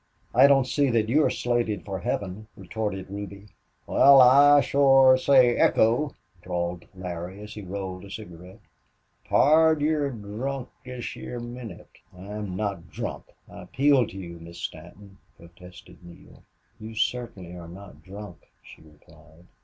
"I don't see that you're slated for heaven," retorted Ruby. "Wal, I shore say echo," drawled Larry, as he rolled a cigarette. "Pard, you're drunk this heah minnit." "I'm not drunk. I appeal to you, Miss Stanton," protested Neale. "You certainly are not drunk," she replied.